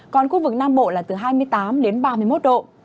còn khu vực nam bộ là từ hai mươi tám đến ba mươi một độ